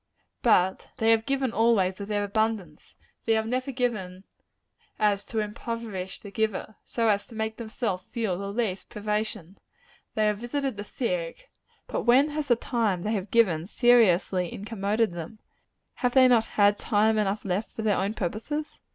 But they have given, always, of their abundance. They have never so given as to impoverish the giver so as to make themselves feel the least privation. They have visited the sick: but when has the time they have given, seriously incommoded them? Have they not had time enough left for their own purposes?